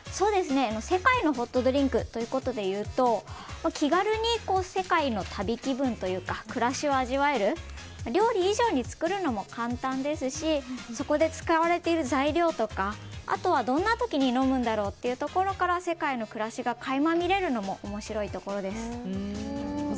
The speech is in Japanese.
世界のホットドリンクということでいうと気軽に世界の旅気分というか暮らしを味わえる料理以上に作るのも簡単ですしそこで使われている材料とかあとはどんな時に飲むんだろうというところから世界の暮らしが垣間見れるのも面白いところです。